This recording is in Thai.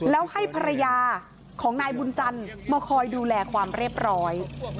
แล้วให้ภรรยาของนายบุญจันทร์มาคอยดูแลความเรียบร้อย